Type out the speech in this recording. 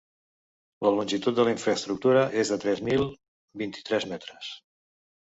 La longitud de la infraestructura és de tres mil vint-i-tres metres.